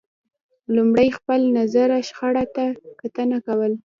لمړی له خپل نظره شخړې ته کتنه کول